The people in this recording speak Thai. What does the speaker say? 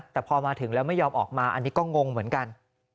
แต่พอมาถึงแล้วไม่ยอมออกมาอันนี้ก็งงเหมือนกัน